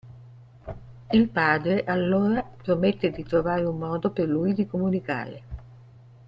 Il padre allora promette di trovare un modo per lui di comunicare.